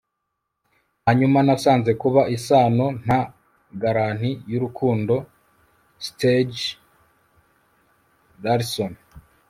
hanyuma nasanze kuba isano nta garanti y'urukundo! - stieg larsson